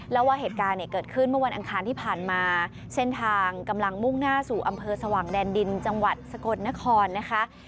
แล้วว่าเหตุการณ์เนี่ยเกิดขึ้นเมื่อวันอังคารที่ผ่านมาเส้นทางกำลังมุ่งหน้าสู่อำเภอสว่างแดนดินจังหวัดสกลนครนะคะ